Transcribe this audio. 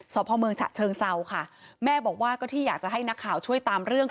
พ่อเมืองฉะเชิงเซาค่ะแม่บอกว่าก็ที่อยากจะให้นักข่าวช่วยตามเรื่อง